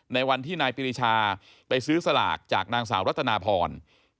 ในวันที่นายปริชาไปซื้อสลากจากนางสาวรัตนาพร